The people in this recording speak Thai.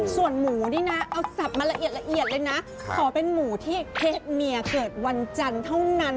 ส่วนหมูนี่นะเอาสับมาละเอียดละเอียดเลยนะขอเป็นหมูที่เคสเมียเกิดวันจันทร์เท่านั้น